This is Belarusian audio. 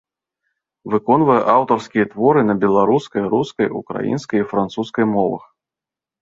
Выконвае аўтарскія творы на беларускай, рускай, украінскай і французскай мовах.